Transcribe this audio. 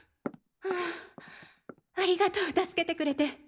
ハァありがと助けてくれて。